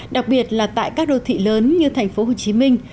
đặc biệt là tại các đô thị lớn như thành phố hồ chí minh